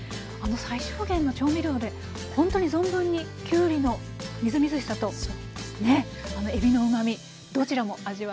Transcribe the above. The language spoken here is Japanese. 最小限の調味料でほんとに存分にきゅうりのみずみずしさとえびのうまみどちらも味わえます。